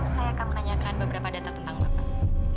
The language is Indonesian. saya akan menanyakan beberapa data tentang bapak